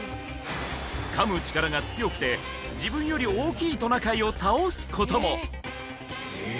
噛む力が強くて自分より大きいトナカイを倒すこともえ